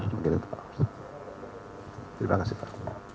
terima kasih pak